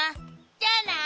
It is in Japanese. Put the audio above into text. じゃあな！